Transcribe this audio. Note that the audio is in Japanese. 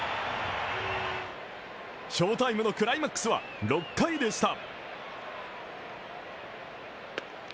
翔タイムのクライマックスは６回でした。